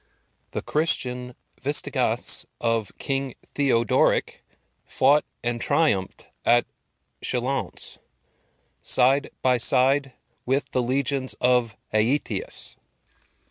The Christian Vistigoths of King Theodoric fought and triumphed at Chalons, side by side with the legions of Aetius.